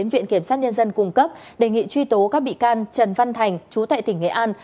đồng thời viện kiểm sát nhân dân cung cấp đề nghị truy tố các bị can trần văn thành trú tại tỉnh nghệ an